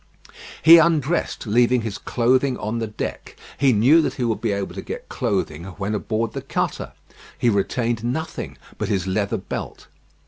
He undressed, leaving his clothing on the deck. He knew that he would be able to get clothing when aboard the cutter. He retained nothing but his leather belt.